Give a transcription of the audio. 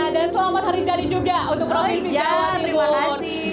dan selamat hari jadi juga untuk provinsi jawa timur